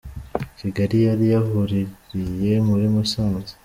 Kigali yari yahururiye muri Musanze :.